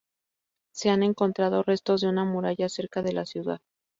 Se han encontrado restos de una muralla cerca de la ciudad.